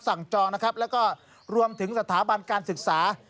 จองนะครับแล้วก็รวมถึงสถาบันการศึกษา